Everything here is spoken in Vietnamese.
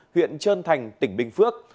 huyện trơn thành tỉnh bình phước